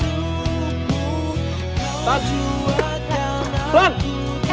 anggap aja udah drama aja